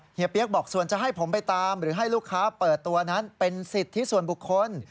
เปี๊ยกบอกส่วนจะให้ผมไปตามหรือให้ลูกค้าเปิดตัวนั้นเป็นสิทธิส่วนบุคคล